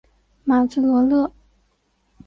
马兹罗勒。